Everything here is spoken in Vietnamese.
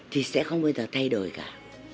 thì sẽ không bao giờ thay đổi cả